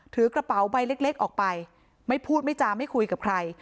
ถือกระเป๋าใบเล็กออกไปไม่พูดไม่จาไม่คุยกับใคร